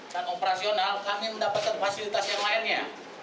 saat operasional kami mendapatkan fasilitas yang lainnya